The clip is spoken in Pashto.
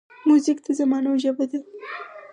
موزیک د زمانو ژبه ده.